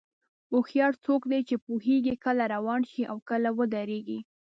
هوښیار څوک دی چې پوهېږي کله روان شي او کله ودرېږي.